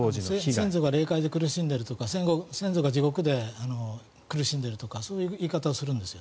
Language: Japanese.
先祖が霊界で苦しんでるとか先祖が地獄で苦しんでいるとかそういう言い方をするんです。